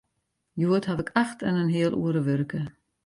Hjoed haw ik acht en in heal oere wurke.